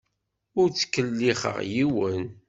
Ur ttkellixeɣ yiwen.